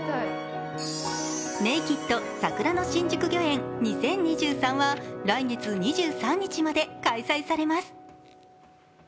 ＮＡＫＥＤ桜の新宿御苑２０２３は来月２３日まで開催されます。